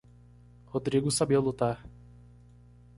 Rodrigo sabia lutar.